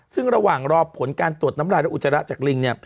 ซึ่งระหว่างรอผลการตรวจน้ำลายและอุจจาระจากลิง